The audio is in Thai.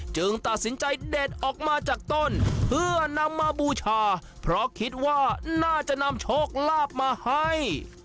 ตัดสินใจเด็ดออกมาจากต้นเพื่อนำมาบูชาเพราะคิดว่าน่าจะนำโชคลาภมาให้